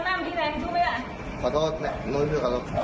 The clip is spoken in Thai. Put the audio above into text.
ถ่ายถ่ายแม่งเอาเลยไอ้กล้วยถ่ายไม่มีก็เปิดเปิดเปิด